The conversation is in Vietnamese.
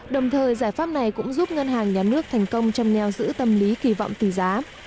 đồng thời giải pháp này cũng giúp ngân hàng nhà nước thành công trong neo giữ tâm lý kỳ vọng tỷ giá